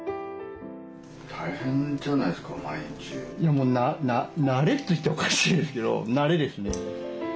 もう慣れといったらおかしいですけど慣れですね。